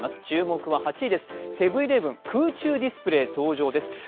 注目は８位です、セブン−イレブン、空中ディスプレイ登場です。